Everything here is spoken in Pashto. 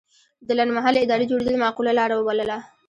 د لنډمهالې ادارې جوړېدل معقوله لاره وبلله.